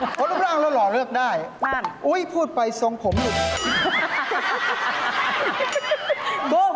เพราะรูปร่างเราหล่อเลือกได้อุ๊ยพูดไปทรงผมลูกภรรยะหนึ่ง